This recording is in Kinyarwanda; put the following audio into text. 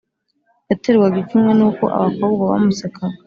yaterwaga ipfunwe n’uko abakobwa bamusekaga